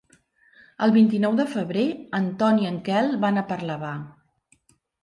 El vint-i-nou de febrer en Ton i en Quel van a Parlavà.